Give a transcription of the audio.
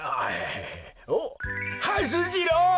おっはす次郎！